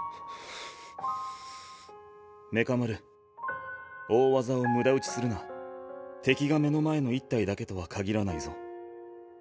メカ丸大技を無駄撃ちす敵が目の前の１体だけとはかぎらないぞ